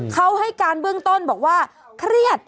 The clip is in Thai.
เขาให้การเบื้องต้นบอกว่าเครียด